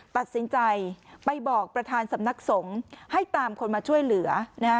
ตัดสินใจไปบอกประธานสำนักสงฆ์ให้ตามคนมาช่วยเหลือนะฮะ